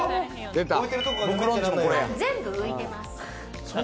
全部ういてます。